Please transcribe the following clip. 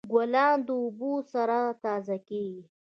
ګلان د اوبو سره تازه کیږي.